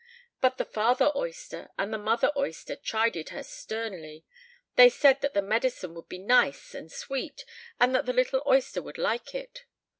But the father oyster and the mother oyster chided her sternly; they said that the medicine would be nice and sweet, and that the little oyster would like it.